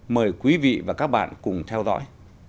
mời quý vị và các bạn cùng theo dõi